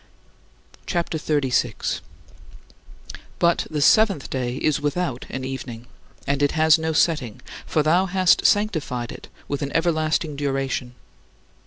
51. But the seventh day is without an evening, and it has no setting, for thou hast sanctified it with an everlasting duration.